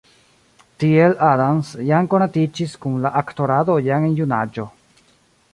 Tiel Adams jam konatiĝis kun la aktorado jam en junaĝo.